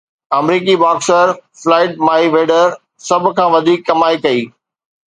آمريڪي boxer Floyd Mayweather سڀ کان وڌيڪ ڪمائي ڪئي